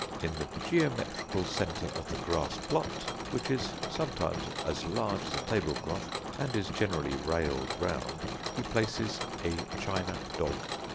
In the geometrical centre of the grass plot, which is sometimes as large as a tablecloth and is generally railed round, he places a china dog.